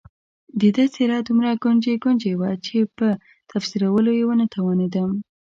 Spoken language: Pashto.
د ده څېره دومره ګونجي ګونجي وه چې په تفسیرولو یې ونه توانېدم.